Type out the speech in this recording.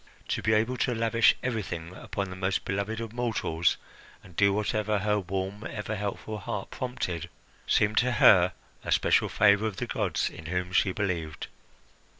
To be able to lavish everything upon the most beloved of mortals, and do whatever her warm, ever helpful heart prompted, seemed to her a special favour of the gods in whom she believed.